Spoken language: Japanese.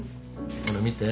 ほら見て。